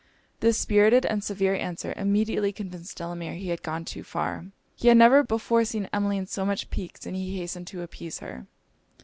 This spirited and severe answer, immediately convinced Delamere he had gone too far. He had never before seen Emmeline so much piqued, and he hastened to appease her.